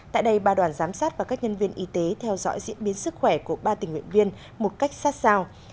tại đây ba đoàn giám sát và các nhân viên y tế theo dõi diễn biến sức khỏe của ba tình nguyện viên một cách sát sao